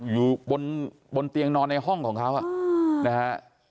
อยู่บนเตียงนอนในห้องของเขานะฮะ